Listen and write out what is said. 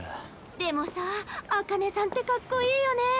でもさ紅葉さんってかっこいいよね。